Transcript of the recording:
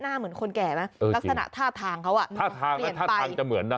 หน้าเหมือนคนแก่ไหมลักษณะท่าทางเขาอ่ะท่าทางจะเหมือนนะ